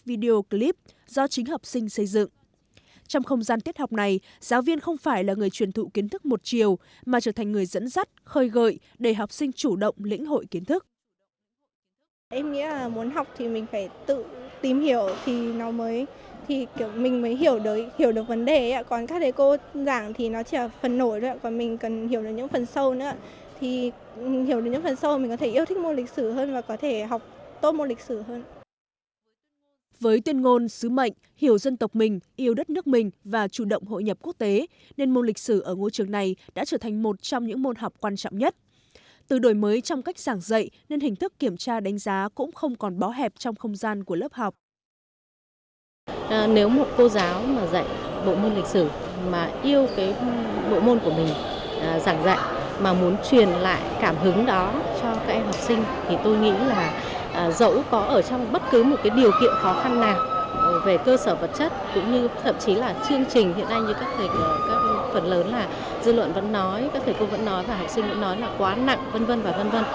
về cơ sở vật chất cũng như thậm chí là chương trình hiện nay như các thầy phần lớn là dư luận vẫn nói các thầy cô vẫn nói và học sinh cũng nói là quá nặng v v